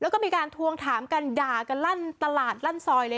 ของใครอ่ะต่อเดือนอ่ะสองหมื่นห้าพี่จะให้เท่าไหร่พี่พูดมาเลย